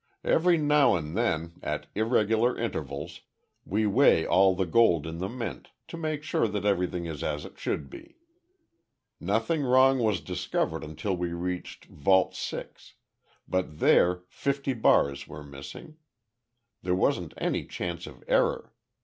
"Every now and then at irregular intervals we weigh all the gold in the Mint, to make sure that everything is as it should be. Nothing wrong was discovered until we reached Vault Six, but there fifty bars were missing. There wasn't any chance of error.